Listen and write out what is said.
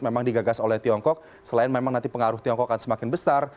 memang digagas oleh tiongkok selain memang nanti pengaruh tiongkok akan semakin besar